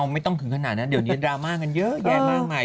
ไม่ต้องถึงขนาดนั้นเดี๋ยวนี้ดราม่ากันเยอะแยะมากมาย